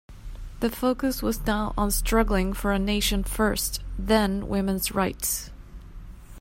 The focus was now on struggling for a nation first, then women's rights.